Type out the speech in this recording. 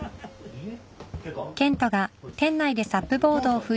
えっ？